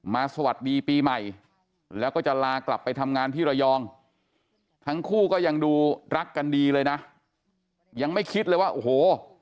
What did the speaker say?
สวัสดีปีใหม่แล้วก็จะลากลับไปทำงานที่ระยองทั้งคู่ก็ยังดูรักกันดีเลยนะยังไม่คิดเลยว่าโอ้โห